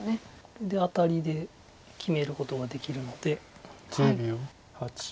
これでアタリで決めることができるので。